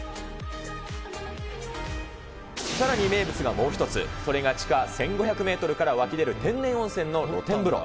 さらに名物がもう一つ、それが地下１５００メートルから湧き出る天然温泉の露天風呂。